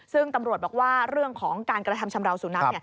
ซึ่งตำรวจบอกว่าเรื่องของการกระทำชำราวสุนัข